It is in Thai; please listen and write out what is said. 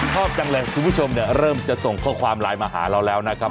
ชอบจังเลยคุณผู้ชมเนี่ยเริ่มจะส่งข้อความไลน์มาหาเราแล้วนะครับ